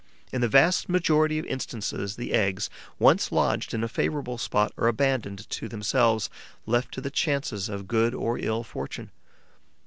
In the vast majority of instances, the eggs, once lodged in a favourable spot, are abandoned to themselves, left to the chances of good or ill fortune.